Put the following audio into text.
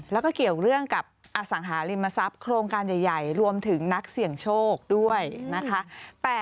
แล้วก็เกี่ยวเรื่องกับอสังหาริมทรัพย์โครงการใหญ่รวมถึงนักเสี่ยงโชคด้วยนะคะ